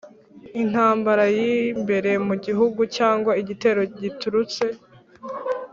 intambara y'imbere mu gihugu cyangwa igitero giturutse